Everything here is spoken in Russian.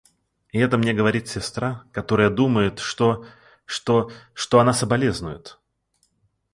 И это мне говорит сестра, которая думает, что... что... что она соболезнует!..